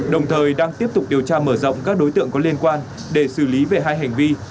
đồng thời đang tiếp tục điều tra mở rộng các đối tượng có liên quan để xử lý về hai hành vi